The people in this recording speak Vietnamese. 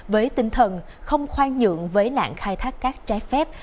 với tinh thần không khoai nhượng với nạn khai thác các trái phim